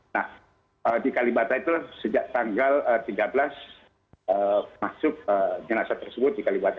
nah di kalibata itu sejak tanggal tiga belas masuk jenazah tersebut di kalibata